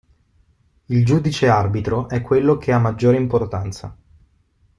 Il giudice arbitro è quello che ha maggiore importanza.